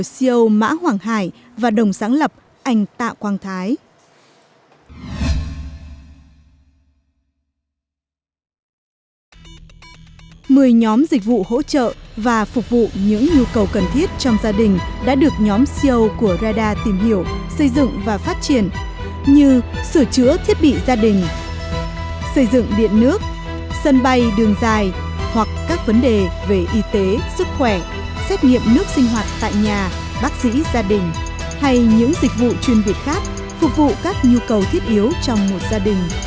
sửa chữa thiết bị gia đình xây dựng điện nước sân bay đường dài hoặc các vấn đề về y tế sức khỏe xét nghiệm nước sinh hoạt tại nhà bác sĩ gia đình hay những dịch vụ chuyên việc khác phục vụ các nhu cầu thiết yếu trong một gia đình